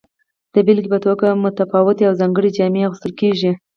د بیلګې په توګه متفاوتې او ځانګړې جامې اغوستل کیږي.